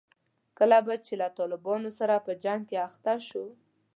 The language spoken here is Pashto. کله به چې له طالبانو سره په جنګ کې اخته شوو.